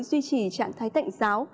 duy trì trạng thái tạnh giáo